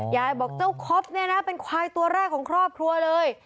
ยายบอกเจ้าคอปเนี่ยนะเป็นควายตัวแรกของครอบครัวเลย